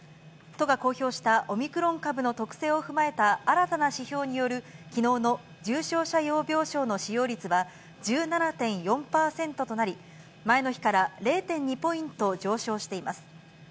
都が公表したオミクロン株の特性を踏まえた新たな指標によるきのうの重症者用病床の使用率は、１７．４％となり、前の日から０．２ポイント上昇しています。